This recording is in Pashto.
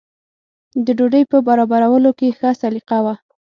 د ډوډۍ په برابرولو کې ښه سلیقه وه.